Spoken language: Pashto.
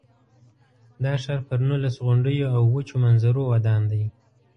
دا ښار پر نولس غونډیو او وچو منظرو ودان دی.